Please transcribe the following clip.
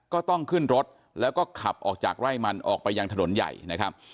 ก็ต้องขึ้นรถแล้วก็ขับออกจากไร่มันออกไปยังถนนใหญ่นะครับ